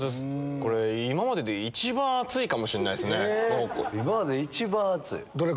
これ、今までで一番厚いかもしれないですね、トマホーク。